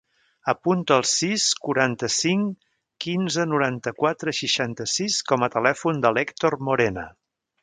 Apunta el sis, quaranta-cinc, quinze, noranta-quatre, seixanta-sis com a telèfon de l'Hèctor Morena.